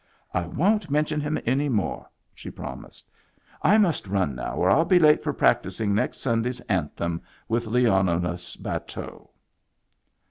" I won't mention him any more," she promised. " I must run now, or ni be late for practising next Sunday's anthem with Leonidas Bateau."